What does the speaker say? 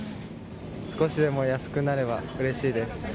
少しでも安くなればうれしいです。